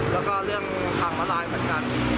แล้วก็เรื่องทางมาลายเหมือนกัน